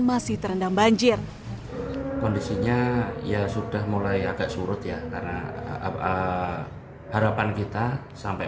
masih terendam banjir kondisinya ya sudah mulai agak surut ya karena apa harapan kita sampai